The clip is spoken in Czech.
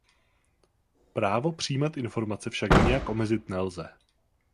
Právo přijímat informace však nijak omezit nelze.